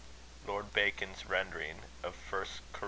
LORD BACON'S rendering of 1 Cor.